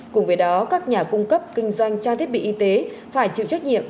cùng với đó các nhà cung cấp kinh doanh trang thiết bị y tế phải chịu trách nhiệm